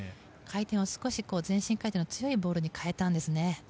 少し、前進回転の強いボールに変えたんですね。